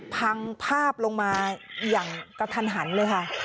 พังภาพลงมาอย่างกระทันหันเลยค่ะ